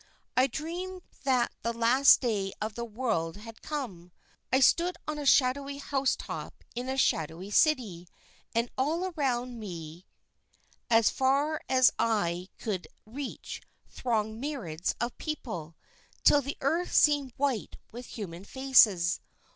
I dreamed that the last day of the world had come. I stood on a shadowy house top in a shadowy city, and all around me far as eye could reach thronged myriads of people, till the earth seemed white with human faces.